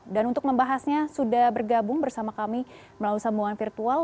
dan untuk membahasnya sudah bergabung bersama kami melalui sambungan virtual